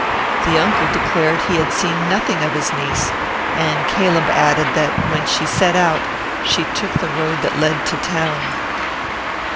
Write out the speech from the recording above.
The uncle declared he had seen nothing of his niece, and Caleb added, that, when she set out, she took the road that led to town.